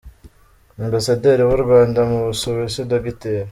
Ambasaderi w’u Rwanda mu Busuwisi, Dr.